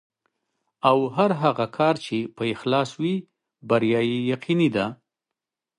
او هر هغه کار چې په اخلاص وي، بریا یې یقیني ده.